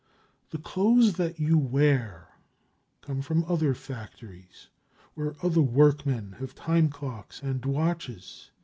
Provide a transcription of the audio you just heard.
The clothes that you wear come from other factories where other workmen have time clocks and watches.